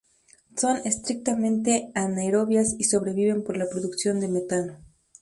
Son estrictamente anaerobias y sobreviven por la producción de metano.